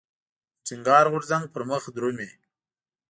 د ټينګار غورځنګ پرمخ درومي.